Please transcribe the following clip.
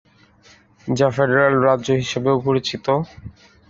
যা "ফেডারেল রাজ্য" হিসাবেও পরিচিত।